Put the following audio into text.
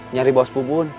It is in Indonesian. nyari bos bubun